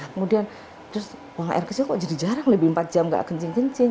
kemudian terus buang air kecil kok jadi jarang lebih empat jam nggak kencing kencing